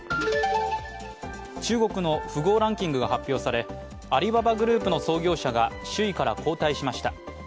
中国の富豪ランキングが発表され、アリババグループの創業者が首位から後退しました。